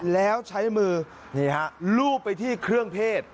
แล้วใช้มือนี่ฮะลูบไปที่เครื่องเพศ